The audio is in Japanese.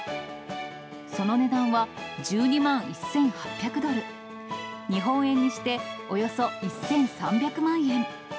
その値段は、１２万１８００ドル、日本円にしておよそ１３００万円。